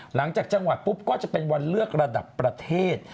หลังจากจังหวัดปุ๊บก็จะเป็นวันเลือกระดับประเทศ